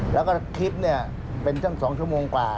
แล้วก็คลิปเนี่ยเป็นตั้ง๒ชั่วโมงกว่า